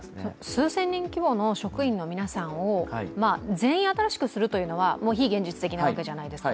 数千人規模の職員の皆さんを、全員新しくするというのは非現実的なわけじゃないですか。